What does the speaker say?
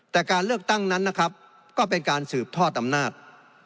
แต่การเลือกตั้งนั้นนะครับก็เป็นการสืบทอดอำนาจ